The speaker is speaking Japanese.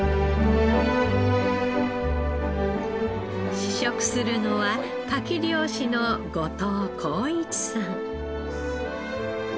試食するのはカキ漁師の後藤晃一さん。